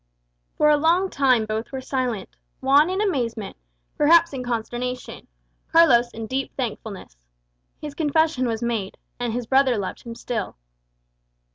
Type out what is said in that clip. For a long time both were silent, Juan in amazement, perhaps in consternation; Carlos in deep thankfulness. His confession was made, and his brother loved him still.